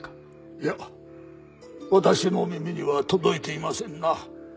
いや私の耳には届いていませんな。